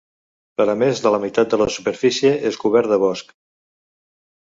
Per a més de la meitat de la superfície és cobert de boscs.